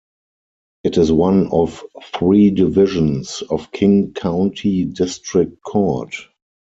It is one of three divisions of King County District Court.